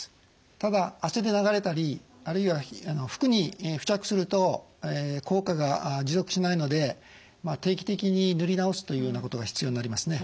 ただ汗で流れたりあるいは服に付着すると効果が持続しないので定期的に塗り直すというようなことが必要になりますね。